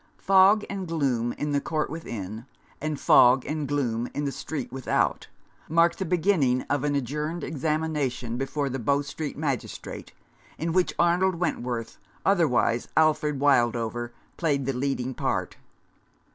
FOG and gloom in the Court within, and fog and gloom in the street without, marked the beginning of an adjourned examination before the Bow Street magistrate, in which Arnold Wentworth, otherwise Alfred Wildover, played the leading part.